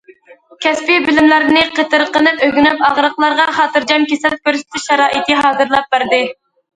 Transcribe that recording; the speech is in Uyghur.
كەسپىي بىلىملەرنى قېتىرقىنىپ ئۆگىنىپ، ئاغرىقلارغا خاتىرجەم كېسەل كۆرسىتىش شارائىتى ھازىرلاپ بەردى.